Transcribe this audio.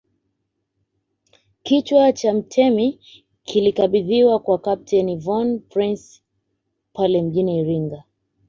Kichwa cha mtemi kilikabidhiwa kwa Kapteni von Prince pale mjini Iringa